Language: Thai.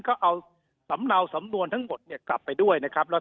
ก็เอาสำเนาสำนวนทั้งหมดเนี่ยกลับไปด้วยนะครับ